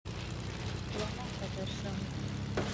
ولاکه درشم